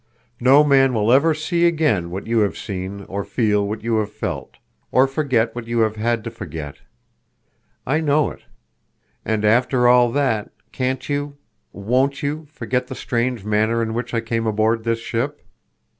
No man will ever see again what you have seen or feel what you have felt, or forget what you have had to forget. I know it. And after all that, can't you—won't you—forget the strange manner in which I came aboard this ship?